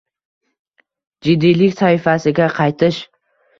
Jiddiylik sahifasiga qaytish